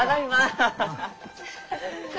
アハハハ。